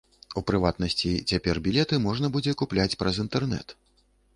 У прыватнасці, цяпер білеты можна будзе купляць праз інтэрнэт.